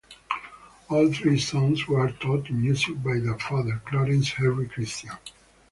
All three sons were taught music by their father, Clarence Henry Christian.